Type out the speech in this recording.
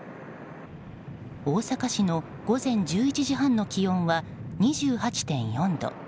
大阪市の午前１１時半の気温は２８．４度。